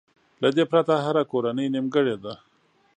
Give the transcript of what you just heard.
له دې پرته هره کورنۍ نيمګړې ده.